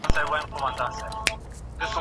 انلاين کورسونه د وخت بې تنظيم سره نه ترسره کيږي.